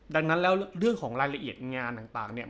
ดังนั้นแล้วเรื่องของรายละเอียดงานต่างเนี่ย